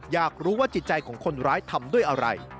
อยากรู้ว่าจิตใจของคนร้ายทำด้วยอะไร